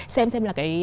xem thêm là cái